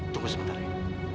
tunggu sebentar ya